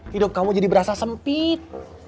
hidup kamu jadi berasa sempit